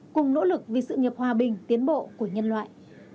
cùng nỗ lực vì sự nghiệp hòa bình tiến bộ của nhân loại